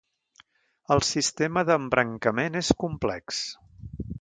El sistema d'embrancament és complex.